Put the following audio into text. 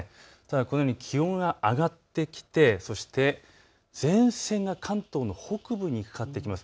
このように気温が上がってきてそして前線が関東の北部にかかってきます。